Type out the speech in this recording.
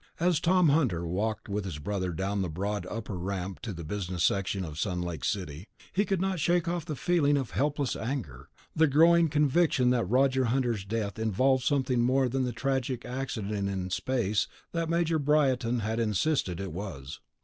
As Tom Hunter walked with his brother down the broad Upper Ramp to the business section of Sun Lake City, he could not shake off the feeling of helpless anger, the growing conviction that Roger Hunter's death involved something more than the tragic accident in space that Major Briarton had insisted it was.